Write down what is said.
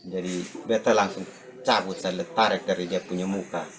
jadi betapu langsung cabut saya letar dari depunya muka